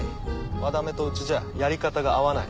和田目とうちじゃやり方が合わない。